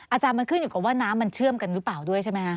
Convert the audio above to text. อาจารย์มันขึ้นอยู่กับว่าน้ำมันเชื่อมกันหรือเปล่าด้วยใช่ไหมคะ